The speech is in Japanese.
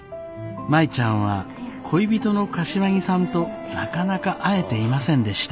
舞ちゃんは恋人の柏木さんとなかなか会えていませんでした。